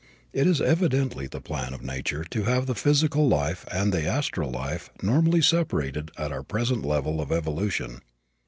It is evidently the plan of nature to have the physical life and the astral life normally separated at our present level of evolution.